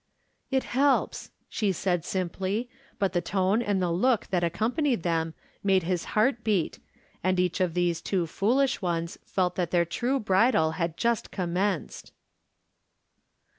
" It helps," she said, simply, but the tone and the look that accompanied them made his heart beat, and each of these two foolish ones felt that their true bridal had just commenced.